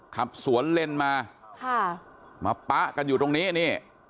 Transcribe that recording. ขับสวนเล่นมามาปะกันอยู่ตรงนี้